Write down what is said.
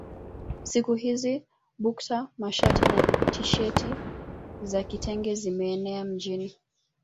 Siku hizi bukta mashati na tisheti za kitenge zimeenea mjini